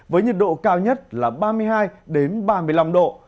với nhiệt độ cao nhất là ba mươi hai độ